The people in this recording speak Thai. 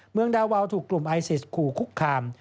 เมืองดาวาวถูกกลุ่มไอซิสขู่คุกคาม